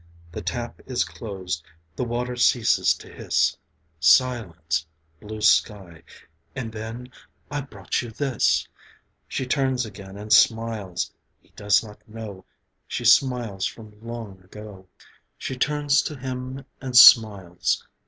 . The tap is closed, the water ceases to hiss ... Silence ... blue sky ... and then, 'I brought you this ...' She turns again, and smiles ... He does not know She smiles from long ago ... She turns to him and smiles